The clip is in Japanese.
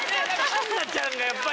はんなちゃんがやっぱり。